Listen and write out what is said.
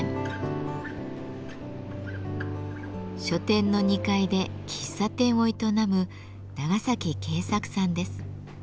書店の２階で喫茶店を営む長圭作さんです。